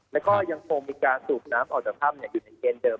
แล้วก็ยังคงมีการสูบน้ำออกจากถ้ำอยู่ในเกณฑ์เดิม